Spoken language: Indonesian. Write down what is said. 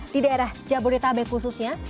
di daerah jabodetabek khususnya